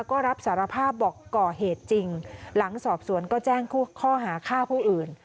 ก็รับสารภาพบอกก่อเหตุจริงหลังสอบสวนก็แจ้งข้อหาฆ่าผู้อื่น